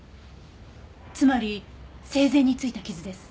つまり生前についた傷です。